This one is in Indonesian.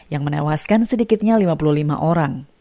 yang menewaskan sedikitnya lima puluh lima orang